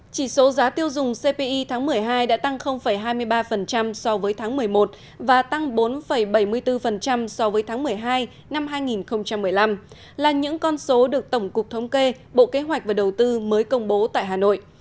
chỉ số giá tiêu dùng cpi tháng một mươi hai đã tăng hai mươi ba so với tháng một mươi một và tăng bốn bảy mươi bốn so với tháng một mươi hai năm hai nghìn một mươi năm là những con số được tổng cục thống kê bộ kế hoạch và đầu tư mới công bố tại hà nội